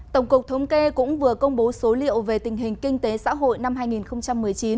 tổng cục thống kê cũng vừa công bố số liệu về tình hình kinh tế xã hội năm hai nghìn một mươi chín